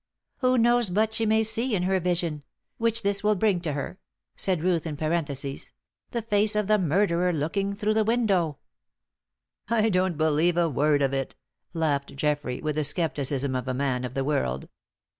Who knows but she may see in her vision which this will bring to her" said Ruth in parenthesis "the face of the murderer looking through the window." "I don't believe a word of it," laughed Geoffrey, with the scepticism of a man of the world.